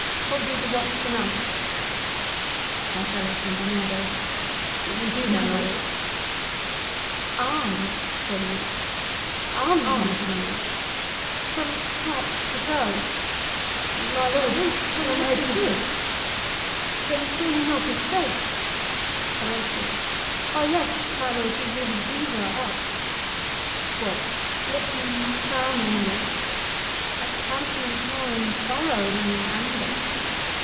Hold you the watch tonight? Mar. and BARNARDO. We do, my lord. HAMLET. Arm'd, say you? Both. Arm'd, my lord. HAMLET. From top to toe? BOTH. My lord, from head to foot. HAMLET. Then saw you not his face? HORATIO. O yes, my lord, he wore his beaver up. HAMLET. What, look'd he frowningly? HORATIO. A countenance more in sorrow than in anger.